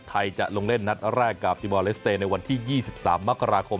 ไทยจะลงเล่นนัดแรกกับติมอลเลสเตย์ในวันที่๒๓มกราคม